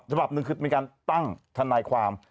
ฉบับหนึ่งคือมีการตั้งทนายความ